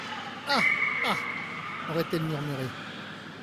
«Ah ! ah ! aurait-elle murmuré.